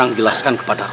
adik itu pembicara